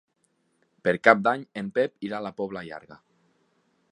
Per Cap d'Any en Pep irà a la Pobla Llarga.